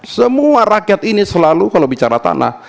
semua rakyat ini selalu kalau bicara tanah